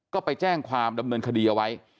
ก็ไปแจ้งความดำเนินคดีเอาไว้